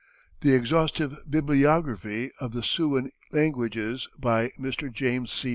The exhaustive bibliography of the Siouan languages, by Mr. James C.